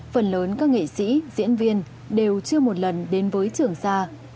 phần lớn các nghệ sĩ diễn viên đều chưa một lần đến với trường sa